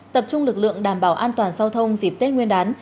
tập trung lực lượng đảm bảo an toàn giao thông dịp tết nguyên đán